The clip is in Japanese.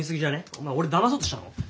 お前俺だまそうとしたの？